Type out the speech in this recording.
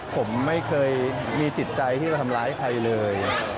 ผมไม่เคยมีจิตใจที่จะทำร้ายใครเลย